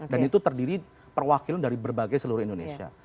dan itu terdiri perwakilan dari berbagai seluruh indonesia